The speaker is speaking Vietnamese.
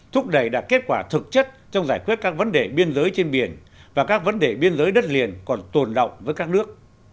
thúc đẩy đạt kết quả thực chất trong giải quyết các vấn đề biên giới trên biển và các vấn đề biên giới đất liền còn tồn động với các nước